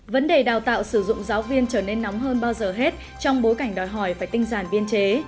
vấn đề đào tạo sử dụng giáo viên trở nên nóng hơn bao giờ hết trong bối cảnh đòi hỏi phải tinh giản biên chế